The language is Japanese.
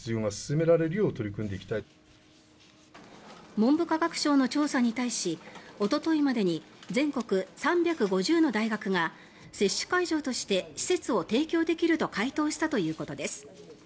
文部科学省の調査に対しおとといまでに全国３５０の大学が接種会場として施設を提供できると回答したということです。